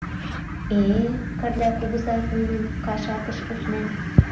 Э-э, Кырля кугызат нунын кашакыш ушнен.